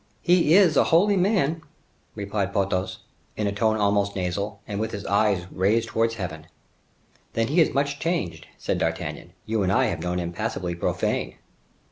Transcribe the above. "He is a holy man!" replied Porthos, in a tone almost nasal, and with his eyes raised towards heaven. "Then he is much changed," said D'Artagnan; "you and I have known him passably profane."